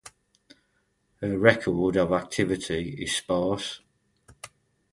Her record of activity is sparse.